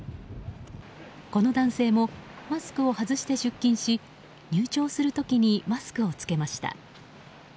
この男性もマスクを外して出勤し入庁する時にマスクを着けました。